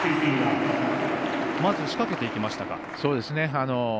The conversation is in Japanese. まず仕掛けていきましたか。